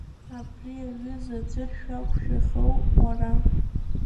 Абри аҩыза аӡәыр шәақәшәахьоу уара?